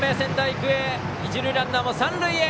一塁ランナーも三塁へ。